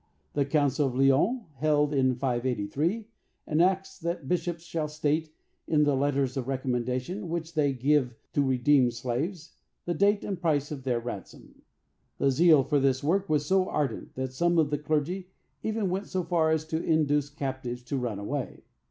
The Council of Lyons, held in 583, enacts that bishops shall state, in the letters of recommendation which they give to redeemed slaves, the date and price of their ransom. The zeal for this work was so ardent that some of the clergy even went so far as to induce captives to run away.